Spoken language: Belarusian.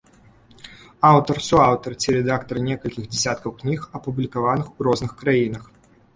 Аўтар, суаўтар ці рэдактар некалькіх дзясяткаў кніг, апублікаваных у розных краінах.